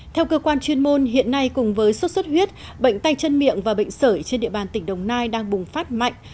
theo cơ quan chuyên môn hiện nay cùng với xuất xuất huyết bệnh tay chân miệng và bệnh sởi trên địa bàn tỉnh đồng nai đang bùng phát mạnh